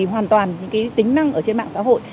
hoàn toàn những cái tính năng ở trên mạng xã hội